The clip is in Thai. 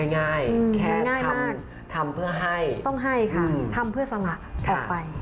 ง่ายง่ายมากทำเพื่อให้ต้องให้ค่ะทำเพื่อสงะออกไป